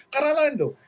karena lain tuh